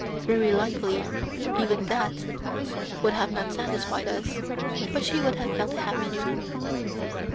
Very likely even that would not have satisfied us, but she would have felt happier.